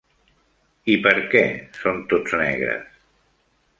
I per què són tots negres?